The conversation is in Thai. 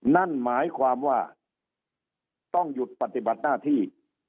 นั่นหมายความว่าต้องหยุดปฏิบัติหน้าที่